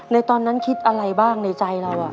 ตอนนั้นคิดอะไรบ้างในใจเรา